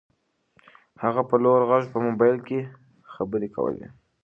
هغه په لوړ غږ په موبایل کې خبرې کولې.